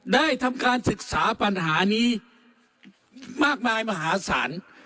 ได้ทำการศึกษาปัญหานี้มากมายมหาศาล